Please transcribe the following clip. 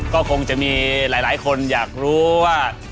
ก็คงจะมีหลายคนอยากรู้ว่า